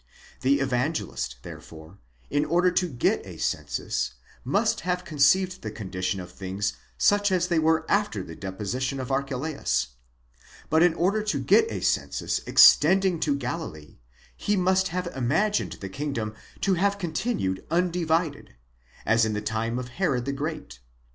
The Evangelist therefore, in order to get a census, must have conceived the condition of things such as they were after the deposition of Archelaus ; but in order to get a census extending to Galilee, he must have imagined the kingdom to have continued undivided, as in the time of Herod the Great.